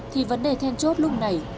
thì vấn đề then chốt lúc này